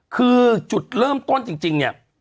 คือจุดเริ่มต้นจริง